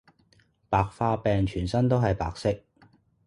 白化病全身都係白色